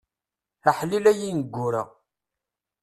Aḥlil ay ineggura.